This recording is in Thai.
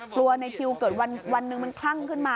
กลัวในทิวเกิดวันหนึ่งมันคลั่งขึ้นมา